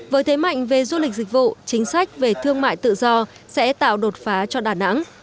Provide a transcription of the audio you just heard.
với thế mạnh về du lịch dịch vụ chính sách về thương mại tự do sẽ tạo đột phá cho đà nẵng